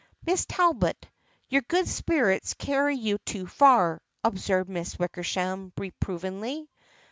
" Miss Talbot, your good spirits carry you too far," observed Miss Wickersham reprovingly.